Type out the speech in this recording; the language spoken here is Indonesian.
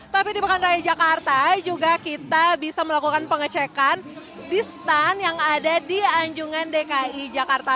tapi di pekan raya jakarta juga kita bisa melakukan pengecekan di stand yang ada di anjungan dki jakarta